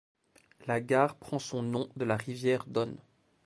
La gare prend son nom de la rivière Don.